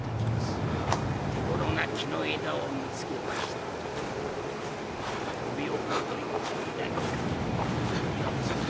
手ごろな木の枝を見つけましたところで帯をほどいて枝にかけて結び目を作る。